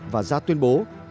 và ra tuyên bố